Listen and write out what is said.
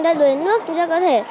vậy thì đấy là tín hiệu quốc tế